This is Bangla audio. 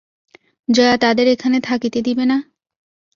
জয়া তাদের এখানে থাকিতে দিবে না?